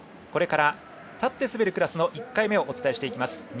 これから立って滑るクラスの１回目をお伝えします。